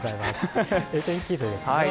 天気図ですね。